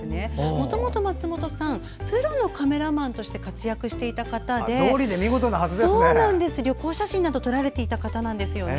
もともと松本さんはプロのカメラマンとして活躍していた方で旅行写真などを撮られていた方なんですね。